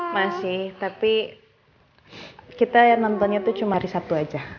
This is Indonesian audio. masih tapi kita yang nontonnya itu cuma hari sabtu aja